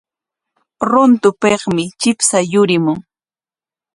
Runtupikmi chipsha yurimun.